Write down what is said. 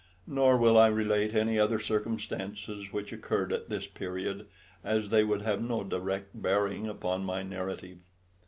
Nor will I relate any other circumstances which occurred at this period, as they would have no direct bearing upon my narrative.